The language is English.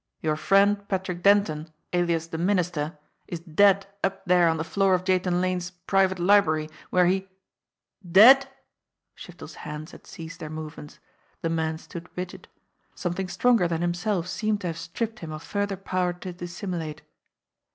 Your friend, Patrick Denton, alias the Minister, is dead up there on the floor of Jathan Lane's private library, where he " "Dead!" Shiftel's hands had ceased their movements. The man stood rigid. Something stronger than himself seemed to have stripped him of further power to dissimulate.